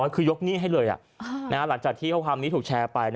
คือยกหนี้ให้เลยหลังจากที่ข้อความนี้ถูกแชร์ไป